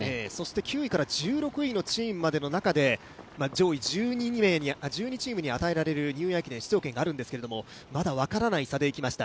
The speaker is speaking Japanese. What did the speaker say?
９位から１６位のチームまでの中で上位１２チームに与えられるニューイヤー駅伝の出場権ですけどもまだ分からない差で行きました。